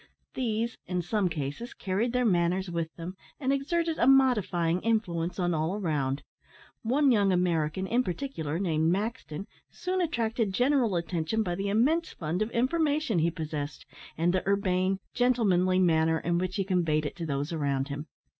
These, in some cases, carried their manners with them, and exerted a modifying influence on all around. One young American, in particular, named Maxton, soon attracted general attention by the immense fund of information he possessed, and the urbane, gentlemanly manner in which he conveyed it to those around him.